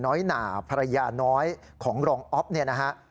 หนาภรรยาน้อยของรองอ๊อฟเนี่ยนะฮะ